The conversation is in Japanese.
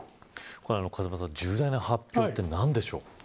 風間さん、重大な発表は何でしょう。